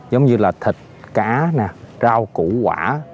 giống như là thịt cá rau củ quả